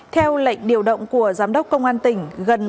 theo lệnh điều động của giám đốc công an tỉnh hành hòa